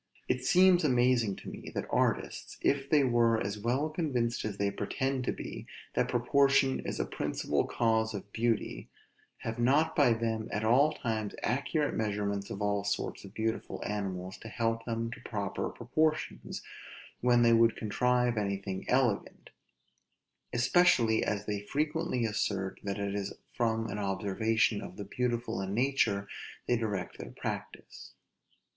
It seems amazing to me, that artists, if they were as well convinced as they pretend to be, that proportion is a principal cause of beauty, have not by them at all times accurate measurements of all sorts of beautiful animals to help them to proper proportions, when they would contrive anything elegant; especially as they frequently assert that it is from an observation of the beautiful in nature they direct their practice.